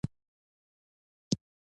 زه د ډاکټر غني مخالف نه وم.